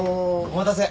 ・お待たせ。